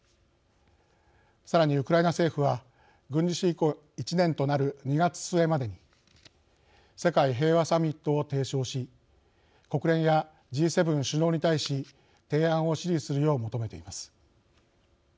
さらに、ウクライナ政府は軍事侵攻１年となる２月末までに世界平和サミットを提唱し国連やＧ７首脳に対し提案を支持するよう求めています。